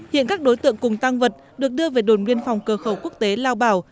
hiện các đối tượng cùng tăng vật được đưa về đồn biên phòng cơ khẩu quốc tế lao bảo